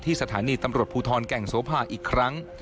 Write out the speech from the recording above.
ที่สถานีตำรวจผู้ทรอนแก่งโศภาอีกครั้ง